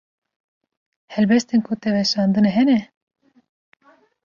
Helbestên ku te weşandine hene?